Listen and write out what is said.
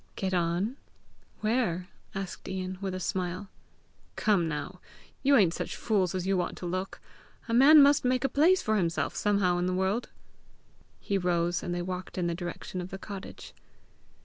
"Get on! Where?" asked Ian with a smile. "Come now! You ain't such fools as you want to look! A man must make a place for himself somehow in the world!" He rose, and they walked in the direction of the cottage.